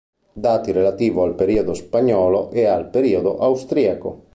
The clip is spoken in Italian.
Dati relativi al periodo spagnolo e al periodo austriaco.